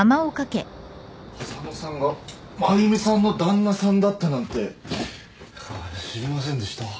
浅野さんが真由美さんの旦那さんだったなんて知りませんでした。